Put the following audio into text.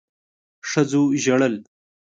ښځو ژړل.